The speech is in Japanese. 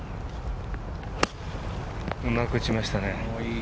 うまく打ちましたね。